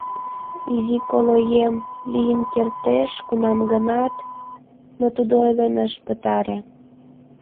— Изи колоем, лийын кертеш, кунам-гынат... — но тудо ойлен ыш пытаре.